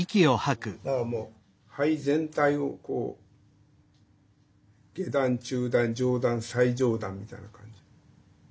だからもう肺全体を下段中段上段最上段みたいな感じで。